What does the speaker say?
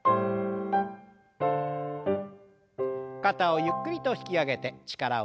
肩をゆっくりと引き上げて力を抜きます。